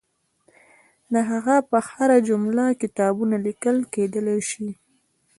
د هغه پر هره جمله کتابونه لیکل کېدلای شي.